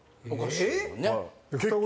おかしいね。